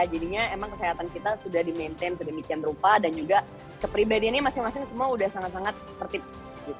jadinya emang kesehatan kita sudah di maintain sedemikian rupa dan juga kepribadiannya masing masing semua sudah sangat sangat tertib